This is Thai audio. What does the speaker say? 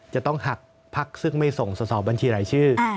จะต้องหักพักซึ่งไม่ส่งสอบบัญชีรายชื่อ